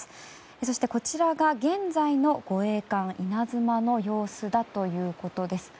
そして、こちらが現在の護衛艦「いなづま」の様子だということです。